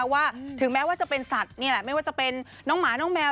ว่าถึงแม้ว่าจะเป็นสัตว์ไม่ว่าจะเป็นน้องหมาน้องแมว